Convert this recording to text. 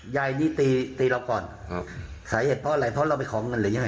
ยายนี่ตีตีเราก่อนครับสาเหตุเพราะอะไรเพราะเราไปขอเงินหรือยังไง